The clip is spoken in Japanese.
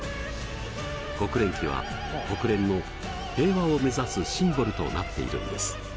国連旗は国連の平和を目指すシンボルとなっているんです。